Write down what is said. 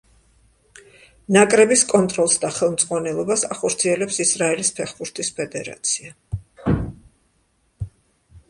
ნაკრების კონტროლს და ხელმძღვანელობას ახორციელებს ისრაელის ფეხბურთის ფედერაცია.